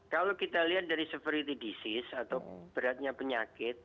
kalau kita lihat dari severity disease atau beratnya penyakit